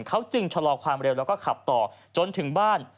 เขาจึงชะลอความเร็วแล้วก็ขับต่อจนถึงบ้าน